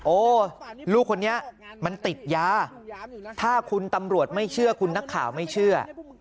โอ้ลูกคนนี้มันติดยาถ้าคุณตำรวจไม่เชื่อคุณนักข่าวไม่เชื่อ